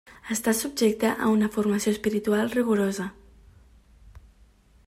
Està subjecta a una formació espiritual rigorosa.